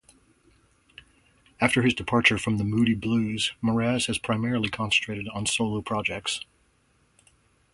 After his departure from The Moody Blues, Moraz has primarily concentrated on solo projects.